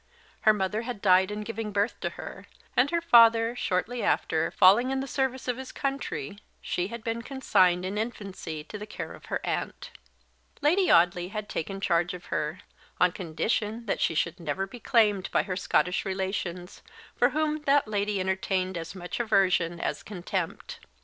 Her mother had died in giving birth to her; and her father, shortly after, falling in the service of his country, she had been consigned in infancy to the care of her aunt. Lady Audley had taken charge of her, on condition that she should never be claimed by her Scottish relations, for whom that lady entertained as much aversion as contempt.